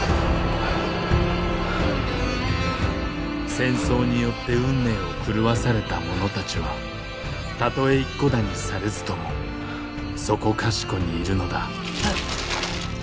戦争によって運命を狂わされた者たちはたとえ一顧だにされずともそこかしこにいるのだ。